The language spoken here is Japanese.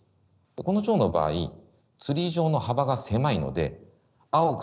このチョウの場合ツリー状の幅が狭いので青く